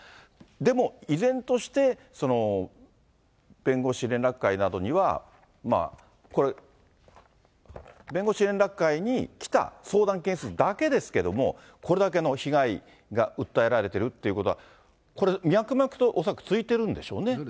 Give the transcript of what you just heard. でも、依然として、弁護士連絡会などには、これ、弁護士連絡会に来た相談件数だけですけれども、これだけの被害が訴えられているということは、これ、脈々と恐らく続いてるんでしょうね。